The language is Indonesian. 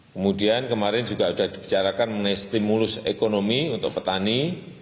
kemudian kemarin juga sudah dibicarakan mengenai stimulus ekonomi untuk petani